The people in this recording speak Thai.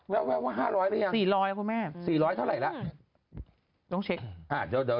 แวะว่าห้าร้อยหรือยังสี่ร้อยครับคุณแม่ต้องเช็ค